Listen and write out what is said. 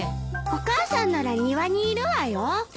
お母さんなら庭にいるわよ。